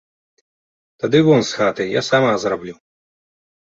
Тады вон з хаты, я сама зраблю.